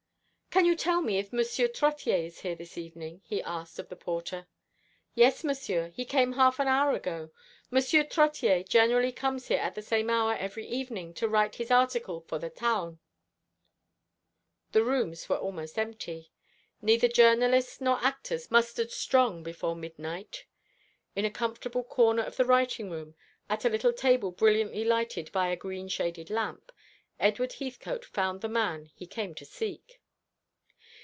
"Can you tell me if Monsieur Trottier is here this evening?" he asked of the porter. "Yes, Monsieur. He came half an hour ago. Monsieur Trottier generally comes here at the same hour every evening to write his article for the Taon." The rooms were almost empty. Neither journalists nor actors mustered strong before midnight. In a comfortable corner of the writing room, at a little table brilliantly lighted by a green shaded lamp, Edward Heathcote found the man he came to seek.